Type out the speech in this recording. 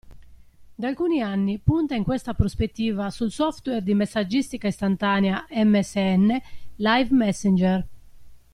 Da alcuni anni punta in questa prospettiva sul software di messaggistica istantanea MSN Live Messenger.